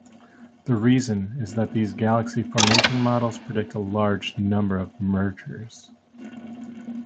The reason is that these galaxy formation models predict a large number of mergers.